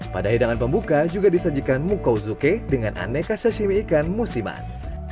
pada hidangan pembuka juga disajikan mukou zuke dengan aneka sashimi ikan musiman